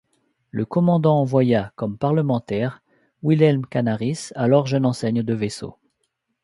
Le commandant envoya, comme parlementaire, Wilhelm Canaris, alors jeune enseigne de vaisseau.